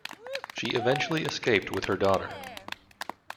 She eventually escaped with her daughter.